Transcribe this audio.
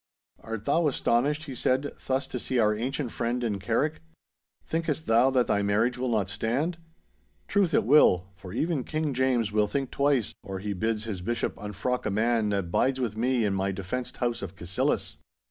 'Art thou astonished,' he said, 'thus to see our ancient friend in Carrick? Thinkest thou that thy marriage will not stand? Truth it will, for even King James will think twice, or he bids his bishop unfrock a man that bides with me in my defenced house of Cassillis.